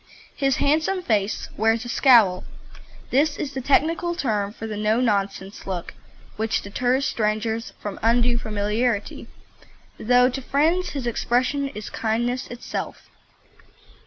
His handsome face wears a "scowl." This is the technical term for the "no nonsense" look which deters strangers from undue familiarity, though to friends his expression is kindness itself.